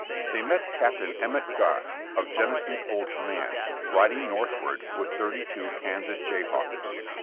They met Capt. Emmet Goss of Jennison's old command, riding northward with thirty two Kansas Jayhawkers.